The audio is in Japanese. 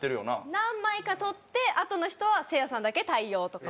何枚か撮ってあとの人はせいやさんだけ対応とかもあります。